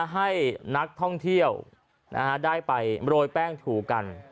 ให้นักท่องเที่ยวได้ไปโรยแป้งถูกัน